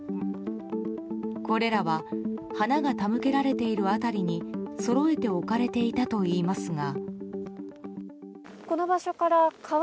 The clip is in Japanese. これらは花が手向けられている辺りにそろえて置かれていたといいますが。